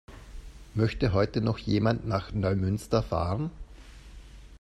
Möchte heute noch jemand nach Neumünster fahren?